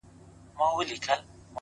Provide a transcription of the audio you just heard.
o ه یاره دا زه څه اورمه؛ څه وینمه؛